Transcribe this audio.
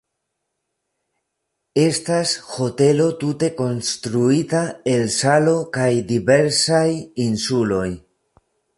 Estas hotelo tute konstruita el salo kaj diversaj insuloj.